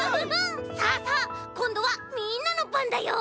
さあさあこんどはみんなのばんだよ！